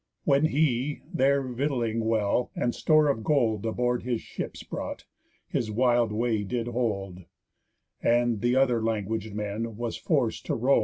When he (there victling well, and store of gold Aboard his ships brought) his wild way did hold, And t' other languag'd men was forc'd to roam.